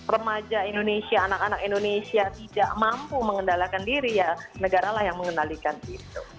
remaja indonesia anak anak indonesia tidak mampu mengendalikan diri ya negara lah yang mengendalikan itu